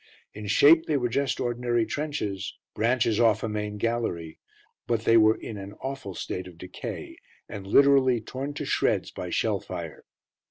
In shape they were just ordinary trenches, branches off a main gallery, but they were in an awful state of decay, and literally torn to shreds by shell fire.